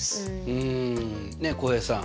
うんねえ浩平さん。